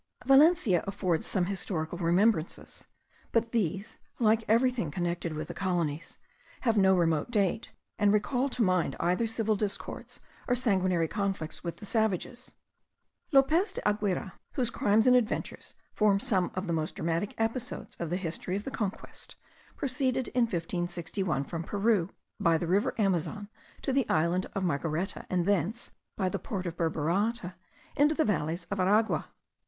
Valencia affords some historical remembrances; but these, like everything connected with the colonies, have no remote date, and recall to mind either civil discords or sanguinary conflicts with the savages. Lopez de Aguirre, whose crimes and adventures form some of the most dramatic episodes of the history of the conquest, proceeded in 1561, from Peru, by the river Amazon to the island of Margareta; and thence, by the port of Burburata, into the valleys of Aragua.